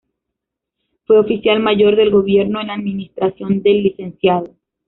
Fue oficial mayor de gobierno en la administración del Lic.